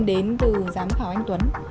đến từ giám khảo anh tuấn